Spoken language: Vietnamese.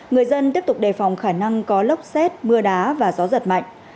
người dân tiếp tục đề phòng khả năng có lốc xét mưa đá và gió giật mạnh